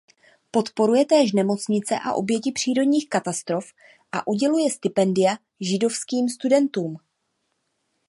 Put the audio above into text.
Podporuje též nemocnice a oběti přírodních katastrof a uděluje stipendia židovským studentům.